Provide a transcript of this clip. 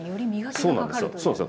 そうなんですよ。